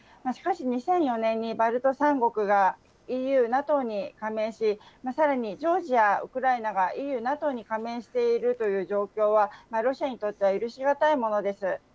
しかし、２００４年にバルト三国がＥＵ、ＮＡＴＯに加盟し、さらにジョージア、ウクライナがＥＵ、ＮＡＴＯに加盟しているという状況は、ロシアにとっては許し難いものです。